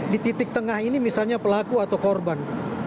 di titik tengah ini misalnya pelaku atau korban